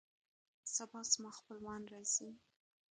سبا زما خپلوان راځي